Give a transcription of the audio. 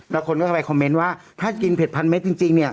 แล้วคนก็ไปคอมเมนต์ว่าถ้ากินเผ็ดพันเมตรจริง